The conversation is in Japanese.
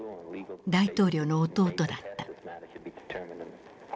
大統領の弟だった。